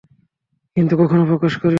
কিন্তু কখনো প্রকাশ করেনি।